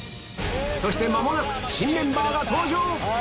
そして間もなく新メンバーが登場！